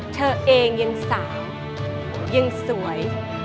เธอเองยังสาวยังสวย